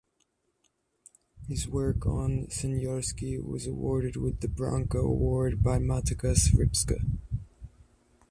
His work on Crnjanski was awarded with the Branko Award by Matica Srpska.